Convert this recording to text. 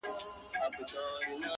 څومره دي ښايست ورباندي ټك واهه ـ